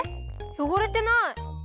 よごれてない！